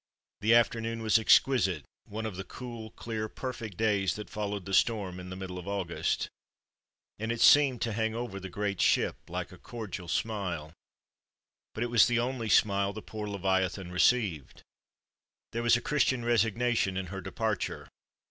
The afternoon was exquisite one of the cool, clear, perfect days that followed the storm in the middle of August; and it seemed to hang over the great ship like a cordial smile. But it was the only smile the poor Leviathan received. There was a Christian resignation in her departure.